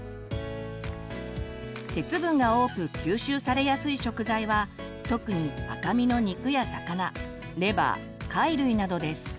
鉄分が多く吸収されやすい食材は特に赤身の肉や魚レバー貝類などです。